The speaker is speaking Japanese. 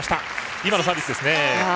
今のサービスですね。